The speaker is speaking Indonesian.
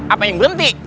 apa yang berhenti